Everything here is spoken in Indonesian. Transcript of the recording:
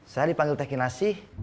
saya dipanggil teh kinasi